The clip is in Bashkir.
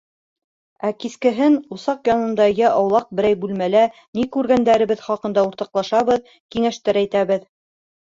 Ә кискеһен усаҡ янында йә аулаҡ берәй бүлмәлә ни күргәндәребеҙ хаҡында уртаҡлашабыҙ, кәңәштәр әйтәбеҙ.